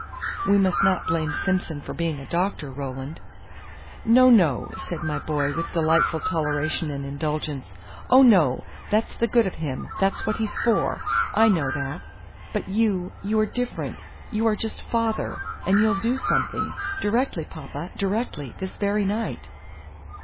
"We must not blame Simson for being a doctor, Roland." "No, no," said my boy, with delightful toleration and indulgence; "oh, no; that's the good of him; that's what he's for; I know that. But you you are different; you are just father; and you'll do something directly, papa, directly; this very night."